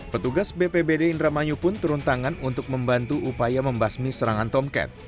petugas bpbd indramayu pun turun tangan untuk membantu upaya membasmi serangan tomket